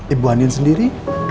ibu andin sendiri